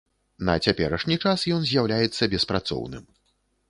На цяперашні час ён з'яўляецца беспрацоўным.